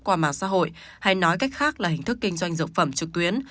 qua mạng xã hội hay nói cách khác là hình thức kinh doanh dược phẩm trực tuyến